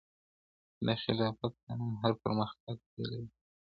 د خلاقیت قانون هر پرمختګ پیلوي.